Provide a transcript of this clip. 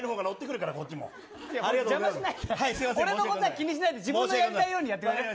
俺のことを気にしないで自分のやりたいようにやって。